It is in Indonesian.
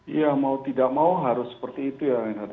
iya mau tidak mau harus seperti itu ya